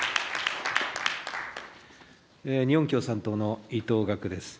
日本共産党の伊藤岳です。